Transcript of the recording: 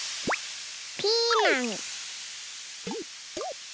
ピーマン。